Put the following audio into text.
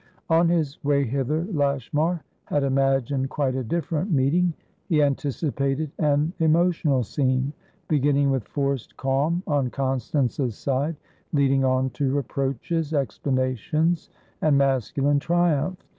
On his way hither, Lashmar had imagined quite a different meeting; he anticipated an emotional scene, beginning with forced calm on Constance's side, leading on to reproaches, explanations, and masculine triumph.